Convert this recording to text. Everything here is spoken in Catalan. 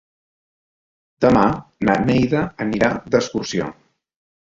Demà na Neida anirà d'excursió.